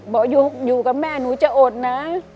บอกอยู่กับแม่หนูจะอดนะ